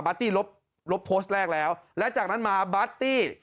ตี้ลบลบโพสต์แรกแล้วและจากนั้นมาบาร์ตตี้